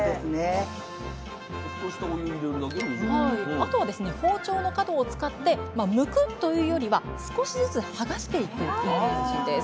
あとはですね包丁の角を使ってむくというよりは少しずつ剥がしていくイメージです